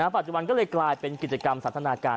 ปัจจุบันก็เลยกลายเป็นกิจกรรมสันทนาการ